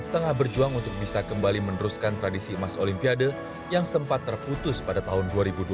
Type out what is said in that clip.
tengah berjuang untuk bisa kembali meneruskan tradisi emas olimpiade yang sempat terputus pada tahun dua ribu dua belas